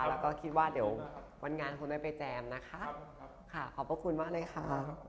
แล้วก็คิดว่าเดี๋ยววันงานคงได้ไปแจมนะคะค่ะขอบพระคุณมากเลยค่ะ